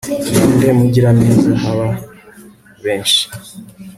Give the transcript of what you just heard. Ninde mugiraneza baha benshi